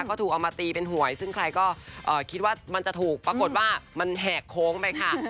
ก็ถูกเอามาตีเป็นหวยซึ่งใครก็คิดว่ามันจะถูกปรากฏว่ามันแหกโค้งไปค่ะ